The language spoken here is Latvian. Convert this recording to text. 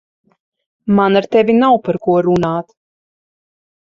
Man ar tevi nav par ko runāt.